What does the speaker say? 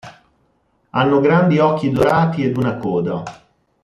Hanno grandi occhi dorati ed una coda.